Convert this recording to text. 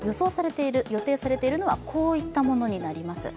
予定されているのはこういったものになります。